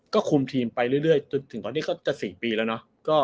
ก็คุมทีมไปเรื่อยจนถึงตอนนี้ก็จะ๔ปีแล้วเนาะ